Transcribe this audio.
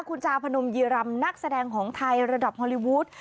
คุณจาพนมยีรำนักแสดงของไทยระดับฮอลลีวูด